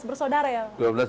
dua belas bersaudara ya